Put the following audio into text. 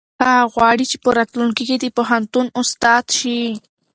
هغه غواړي چې په راتلونکي کې د پوهنتون استاد شي.